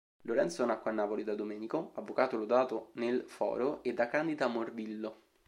Lorenzo nacque a Napoli da Domenico, avvocato lodato nel foro, e da Candida Morvillo.